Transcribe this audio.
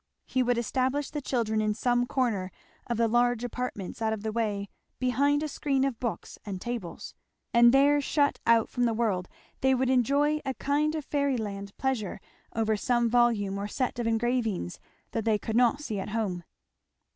He would establish the children in some corner of the large apartments, out of the way behind a screen of books and tables; and there shut out from the world they would enjoy a kind of fairyland pleasure over some volume or set of engravings that they could not see at home.